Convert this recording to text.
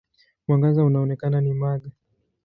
Mwangaza unaoonekana ni mag.